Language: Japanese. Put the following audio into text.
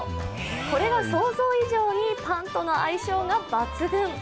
これが想像以上にパンとの相性が抜群。